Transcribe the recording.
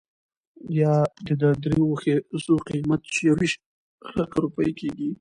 يا د درېو ښځو قيمت، چې يويشت لکه روپۍ کېږي .